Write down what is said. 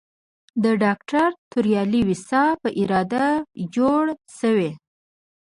د ډاکټر توریالي ویسا په اراده جوړ شوی.